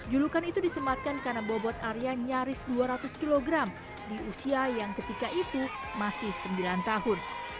julukan itu disematkan karena bobot arya nyaris dua ratus kg di usia yang ketika itu masih sembilan tahun